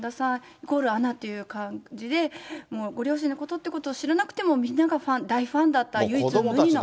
イコールアナという感じで、ご両親のことっていうことを知らなくても、みんなが大ファンだった唯一無二の。